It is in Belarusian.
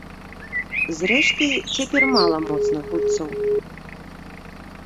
Зрэшты, цяпер мала моцных гульцоў.